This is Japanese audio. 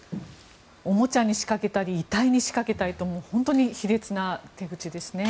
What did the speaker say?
おもちゃに仕掛けたり遺体に仕掛けたりと本当に卑劣な手口ですね。